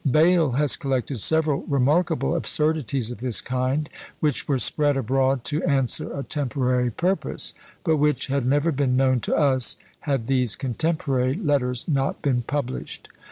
Bayle has collected several remarkable absurdities of this kind, which were spread abroad to answer a temporary purpose, but which had never been known to us had these contemporary letters not been published.